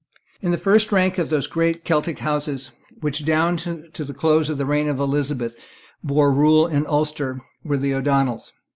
In the first rank of those great Celtic houses, which, down to the close of the reign of Elizabeth, bore rule in Ulster, were the O'Donnels.